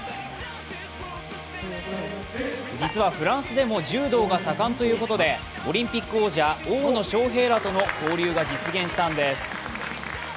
実は、フランスでも柔道が盛んということでオリンピック王者大野将平らとの交流が実現したんです。